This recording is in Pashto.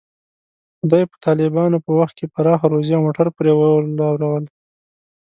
خدای په طالبانو په وخت کې پراخه روزي او موټر پرې ولورول.